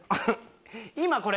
今これ。